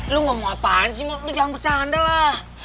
lo ngomong apaan sih lo jangan bercanda lah